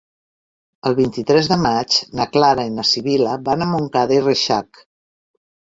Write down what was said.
El vint-i-tres de maig na Clara i na Sibil·la van a Montcada i Reixac.